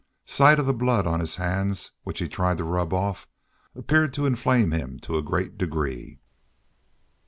Sight of the blood on his hands, which he tried to rub off, appeared to inflame him to a great degree.